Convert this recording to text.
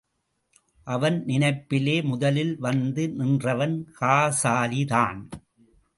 அவன் நினைப்பிலே முதலில் வந்து நின்றவன், காசாலிதான்.